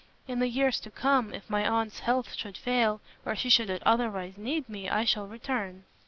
In the years to come, if my aunt's health should fail, or she should otherwise need me, I shall return."